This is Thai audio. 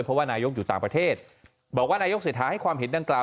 เพราะว่านายกอยู่ต่างประเทศบอกว่านายกเศรษฐาให้ความเห็นดังกล่า